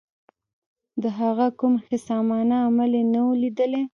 د هغه کوم خصمانه عمل یې هم نه وو لیدلی.